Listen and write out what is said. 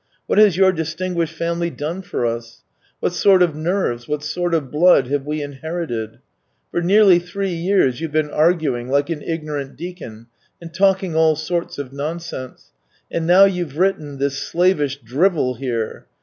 What has your distinguished family done for us ? What sort of nerves, what sort of blood, have we inherited ? For nearly three years you've been arguing like an ignorant deacon, and talking all sorts of nonsense, and now you've written — this slavish drivel here